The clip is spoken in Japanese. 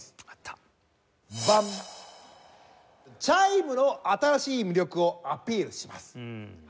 チャイムの新しい魅力をアピールします。